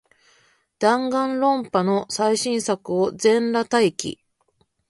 ダンガンロンパの最新作を、全裸待機